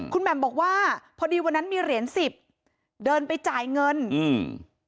คุณแหม่มบอกว่าพอดีวันนั้นมีเหรียญสิบเดินไปจ่ายเงินอืม